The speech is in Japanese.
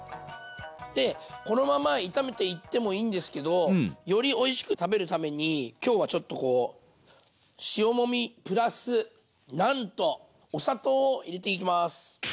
でこのまま炒めていってもいいんですけどよりおいしく食べるために今日はちょっとこう塩もみプラスなんとお砂糖を入れていきます。